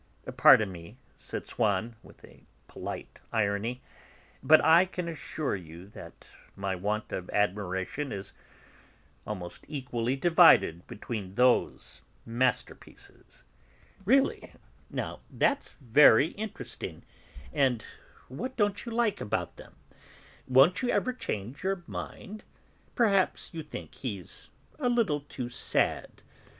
"Pardon me," said Swann with polite irony, "but I can assure you that my want of admiration is almost equally divided between those masterpieces." "Really, now; that's very interesting. And what don't you like about them? Won't you ever change your mind? Perhaps you think he's a little too sad.